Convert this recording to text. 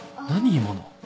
今の